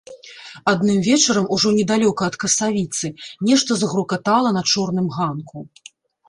Адным вечарам, ужо недалёка ад касавіцы, нешта загрукатала на чорным ганку.